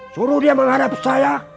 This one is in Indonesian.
suruh dia mengharapkan saya